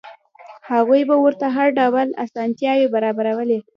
هغوی به ورته هر ډول اسانتیاوې برابرولې.